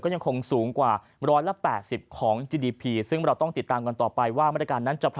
ขอบคุณครับสวัสดีครับ